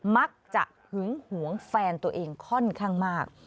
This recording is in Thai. มักจะหึงหวงแฟนตัวเองค่อนข้างมาก